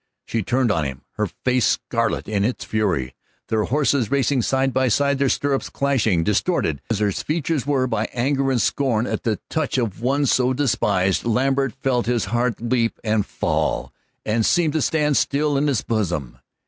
She turned on him, her face scarlet in its fury, their horses racing side by side, their stirrups clashing. Distorted as her features were by anger and scorn at the touch of one so despised, Lambert felt his heart leap and fall, and seem to stand still in his bosom.